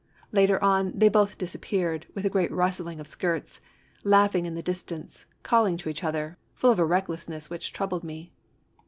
Later on, they both disappeared, with a great rustling of skirts, laughing in the distance, calling to each other, full of a recklessness which troubled me.